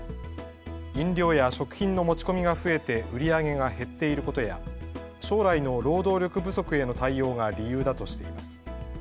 飲料や食品の持ち込みが増えて売り上げが減っていることや将来の労働力不足への対応が理由だとしています。